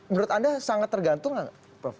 menurut anda sangat tergantung nggak prof